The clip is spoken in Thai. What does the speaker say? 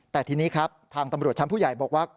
แต่ทีนี้ครับทางตำรวจชั้นผู้ใหญ่บอกว่า